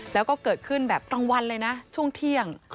แล้วก็เกิดขึ้นแบบกลางวันเลยนะช่วงเที่ยง